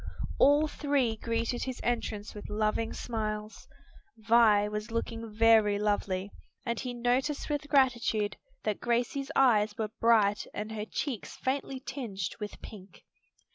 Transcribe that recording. All three greeted his entrance with loving smiles. Vi was looking very lovely, and he noticed with gratitude that Gracie's eyes were bright and her cheeks faintly tinged with pink.